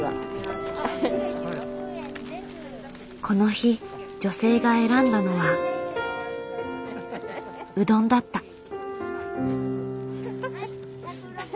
この日女性が選んだのはうどんだった。